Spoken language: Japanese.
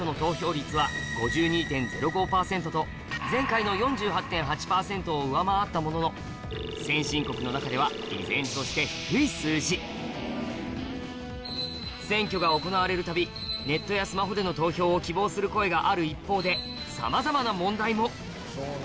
７月に行われたを上回ったものの先進国の中では依然として低い数字選挙が行われるたびネットやスマホでの投票を希望する声がある一方でさまざまな問題も！